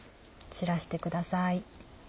散らしてください。